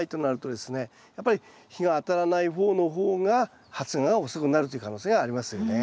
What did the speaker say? やっぱり日が当たらない方の方が発芽が遅くなるという可能性がありますよね。